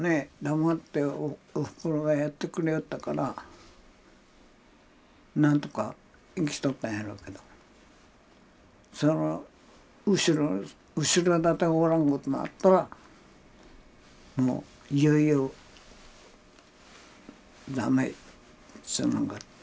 黙っておふくろがやってくれよったから何とか生きとったんやろうけどその後ろ盾がおらんごとなったらもういよいよダメっちゅうのが。